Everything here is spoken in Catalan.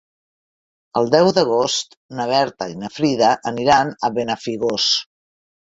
El deu d'agost na Berta i na Frida aniran a Benafigos.